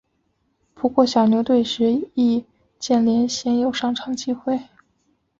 不过在小牛队时易建联鲜有上场机会。